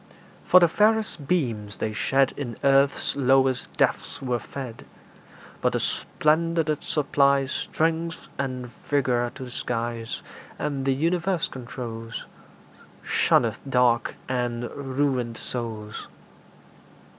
For the fairest beams they shed In earth's lowest depths were fed; But the splendour that supplies Strength and vigour to the skies, And the universe controls, Shunneth dark and ruined souls.